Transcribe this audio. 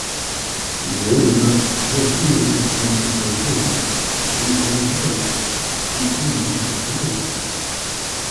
Leonard nació en el sur de California, hijo de Mark y Kim Leonard.